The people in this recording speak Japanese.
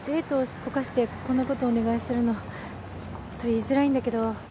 すっぽかしてこんなことお願いするのちっと言いづらいんだけど。